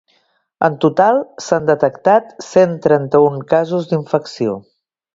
En total s’han detectat cent trenta-un casos d’infecció.